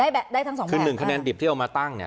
ได้แบบได้ทั้งสองแบบคือหนึ่งคะแนนดิบที่เอามาตั้งเนี้ย